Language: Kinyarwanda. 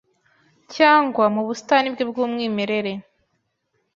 cyangwa mu busitani bwe bwumwimerere